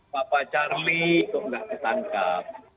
bapak charlie itu tidak ditangkap